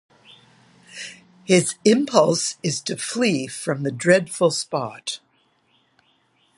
His impulse is to flee from the dreadful spot.